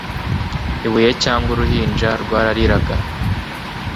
ibuye cyangwa uruhinja rwarariraga